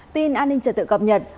tin an ninh trật tự cập nhật